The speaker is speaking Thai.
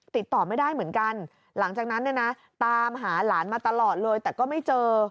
ติดต่อไม่ได้เหมือนกันหลังจากนั้นเนี่ยนะตามหาหลานมาตลอดเลยแต่ก็ไม่เจอ